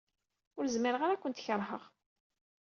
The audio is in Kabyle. Ur zmireɣ ara ad kent-keṛheɣ.